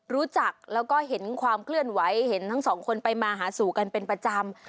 รู้จักแล้วก็เห็นความเคลื่อนไหวเห็นทั้งสองคนไปมาหาสู่กันเป็นประจำ